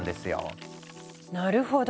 なるほど。